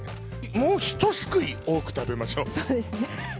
もうひとすくい多く食べましょう。